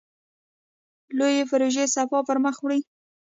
لویې پروژې سپاه پرمخ وړي.